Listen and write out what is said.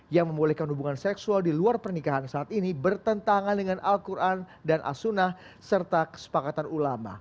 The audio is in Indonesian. yang membolehkan hubungan seksual di luar pernikahan saat ini bertentangan dengan al quran dan asunah serta kesepakatan ulama